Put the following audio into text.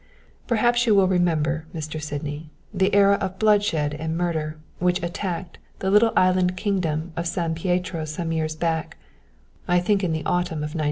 "Perhaps you will remember, Mr. Sydney, the era of bloodshed and murder which attacked the little island kingdom of San Pietro some years back, I think in the autumn of '93.